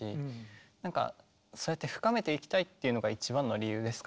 そうやって深めていきたいっていうのが一番の理由ですかね。